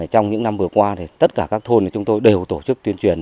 trong những năm vừa qua tất cả các thôn của chúng tôi đều tổ chức tuyên truyền